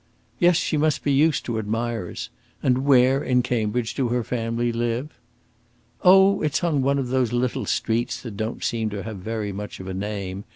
"Yes; she must be used to admirers. And where, in Cambridge, do her family live?" "Oh, it's on one of those little streets that don't seem to have very much of a name.